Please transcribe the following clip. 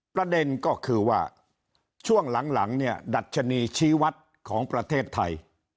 ประเด็นก็คือว่าช่วงหลังเนี่ยดัชนีชีวัตรของประเทศไทย